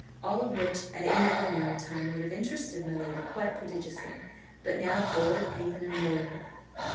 All of which at any ordinary time would have interested my lady quite prodigiously, but now bored and even annoyed her.